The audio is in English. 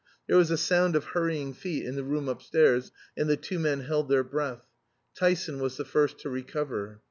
There was a sound of hurrying feet in the room upstairs, and the two men held their breath. Tyson was the first to recover.